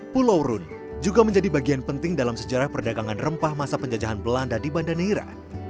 pulau rune juga menjadi bagian penting dalam sejarah perdagangan rempah masa penjajahan belanda di banda neira